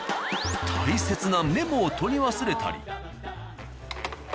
大切なメモを取り忘れたり。